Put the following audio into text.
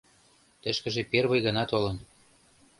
Тышкыже первый гана толын.